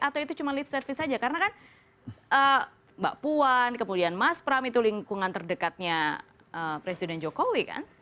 atau itu cuma lip service saja karena kan mbak puan kemudian mas pram itu lingkungan terdekatnya presiden jokowi kan